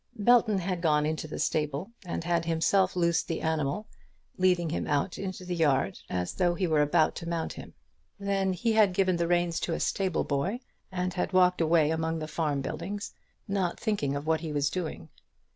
Belton had gone into the stable, and had himself loosed the animal, leading him out into the yard as though he were about to mount him. Then he had given the reins to a stable boy, and had walked away among the farm buildings, not thinking of what he was doing.